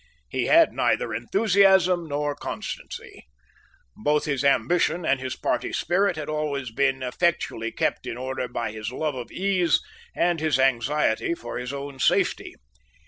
He had neither enthusiasm nor constancy. Both his ambition and his party spirit had always been effectually kept in order by his love of ease and his anxiety for his own safety.